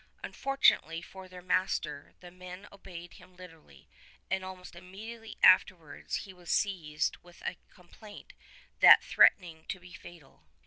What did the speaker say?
Unfortunately for their master, the men obeyed him literally, and almost immediately afterwards he was seized with a complaint that threatened to be fatal.